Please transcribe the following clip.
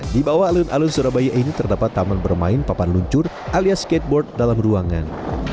di bawah alun alun surabaya ini terdapat taman bermain papan luncur alias skateboard dalam ruangan